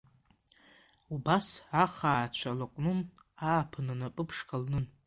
Убас ахаа-цәа лыҟәнын, ааԥын анапы-ԥшқа лнын.